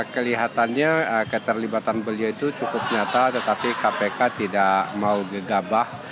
kelihatannya keterlibatan beliau itu cukup nyata tetapi kpk tidak mau gegabah